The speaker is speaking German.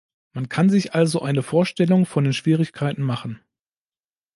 Man kann sich also eine Vorstellung von den Schwierigkeiten machen.